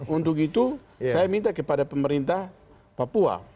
untuk itu saya minta kepada pemerintah papua